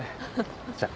じゃあ。